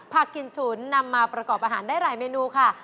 กินฉุนนำมาประกอบอาหารได้หลายเมนูค่ะ